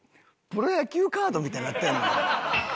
プロ野球カードみたいになってるのよ。